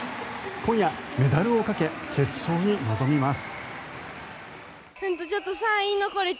今夜、メダルをかけ決勝に臨みます。